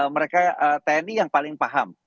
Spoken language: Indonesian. mereka tni yang paling paham